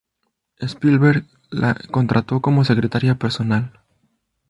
Spielberg la contrató como secretaria personal.